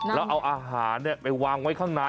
แล้วเอาอาหารไปวางไว้ข้างใน